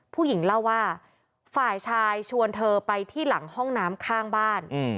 ผู้หญิงเล่าว่าฝ่ายชายชวนเธอไปที่หลังห้องน้ำข้างบ้าน